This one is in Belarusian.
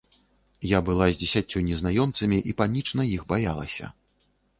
Я была з дзесяццю незнаёмцамі і панічна іх баялася.